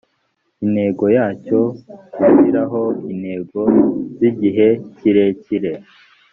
intego yacyo: gushyiraho intego z’igihe kirekire